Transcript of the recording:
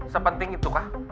sepenting itu kah